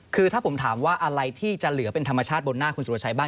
คือถ้าผมถามว่าอะไรที่จะเหลือเป็นธรรมชาติบนหน้าคุณสุรชัยบ้าง